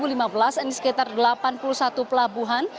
ini sekitar delapan puluh satu pelabuhan